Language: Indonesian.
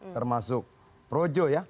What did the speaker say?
termasuk projo ya